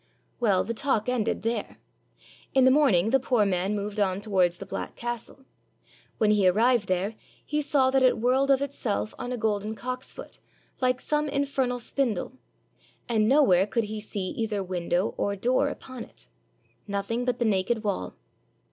Well, the talk ended there. In the morning the poor man moved on towards the black castle. When he arrived there, he saw that it whirled of itself on a golden cock's foot, like some infernal spindle; and nowhere could he see either window or door upon it, — nothing but the naked wall.